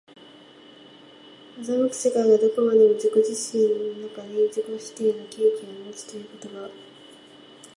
斯く世界がどこまでも自己自身の中に自己否定の契機をもつということが、